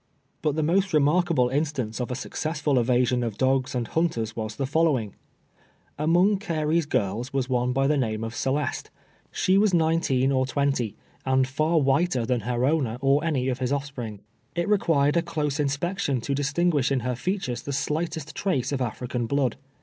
But the most remarkable instance of a successful evasion of dogs and hunters was the following : Among Carey's girls was one by the name of Celeste. She was nineteen or twenty, and far whiter than her owner, or any of his offspring. It required a close inspection to distinguish in her features the slightest trace of African blood.